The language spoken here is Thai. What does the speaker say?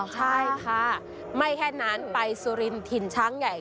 ใช่ค่ะไม่แค่นั้นไปสุรินถิ่นช้างใหญ่